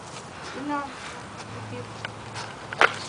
I na ntuo i pi kwet njap.